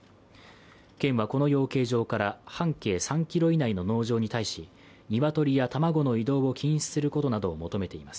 県はこの養鶏場から半径３ｋｍ以内の農場に対し鶏や卵の移動を禁止することなどを求めています。